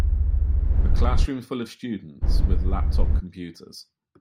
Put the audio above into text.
A classroom full of students with laptop computers.